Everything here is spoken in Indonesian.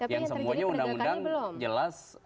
yang semuanya undang undang jelas